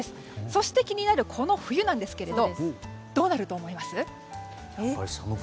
そして、気になるこの冬どうなると思います？